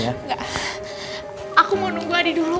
enggak aku mau nunggu adi dulu